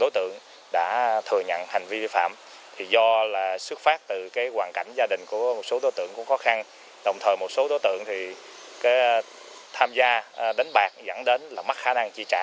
tổng số tiền các đối tượng cũng khó khăn đồng thời một số đối tượng thì tham gia đánh bạc dẫn đến mắc khả năng chi trả